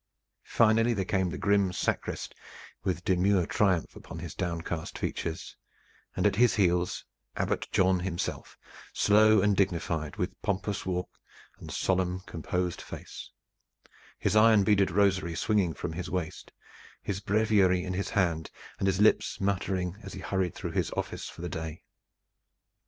Finally there came the grim sacrist, with demure triumph upon his downcast features, and at his heels Abbot John himself, slow and dignified, with pompous walk and solemn, composed face, his iron beaded rosary swinging from his waist, his breviary in his hand, and his lips muttering as he hurried through his office for the day.